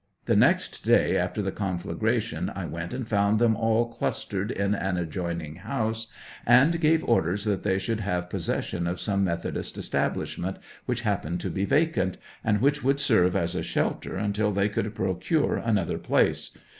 The next day after the con flagration I went and found them all clustered in an adjoining house, and gave orders that they should have possession of some Methodist establishment, which happened to be vacant, and which would serve as a 8h«lter until they could procure another place.